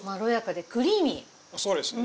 そうですね。